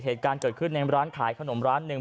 เหตุการณ์เกิดขึ้นในร้านขายขนมร้านหนึ่ง